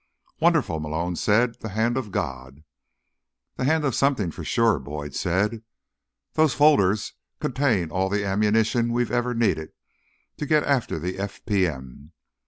"Wonderful," Malone said. "The hand of God." "The hand of something, for sure," Boyd said. "Those folders contain all the ammunition we've ever needed to get after the FPM.